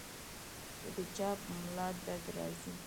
کۀ د چا پۀ ملا درد راځي -